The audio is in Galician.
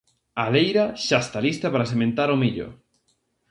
A leira xa está lista para sementar o millo.